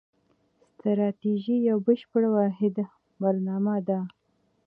ستراتیژي یوه بشپړه واحده برنامه ده.